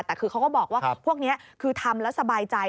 แต่คือเขาก็บอกว่าพวกนี้คือทำแล้วสบายใจ